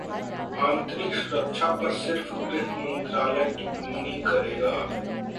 आंतरिक सुरक्षा पर सिर्फ गृह मंत्रालय टिप्पणी करेगा